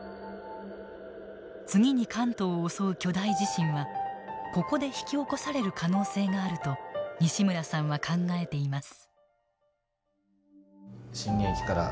次に関東を襲う巨大地震はここで引き起こされる可能性があると西村さんは考えています。